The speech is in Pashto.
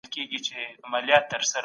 دا هغه ځای دی چي موږ پکښي کار کاوه.